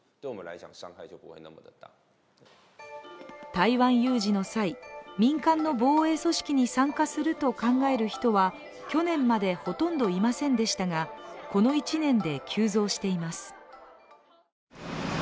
台湾有事の際、民間の防衛組織に参加すると考える人は去年までほとんどいませんでしたがこの一年で急増しています。